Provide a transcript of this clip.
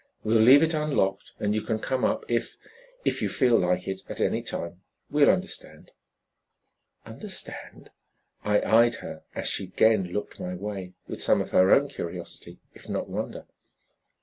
We'll leave it unlocked and you can come up if if you feel like it at any time. We'll understand." Understand! I eyed her as she again looked my way, with some of her own curiosity if not wonder.